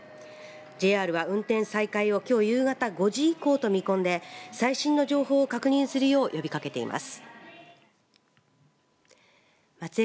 ＪＲは運転再開はきょう夕方５時以降と見込んで最新の情報を確認するよう呼びかけています。